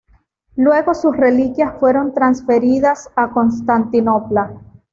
Luego sus reliquias fueron transferidas a Constantinopla.